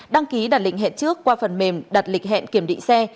đăng ký đặt lịch hẹn trước qua phần mềm đặt lịch hẹn kiểm định xe